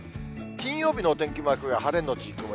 金曜日のお天気マークが晴れ後曇り。